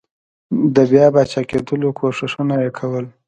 د بیا پاچاکېدلو کوښښونه یې کول.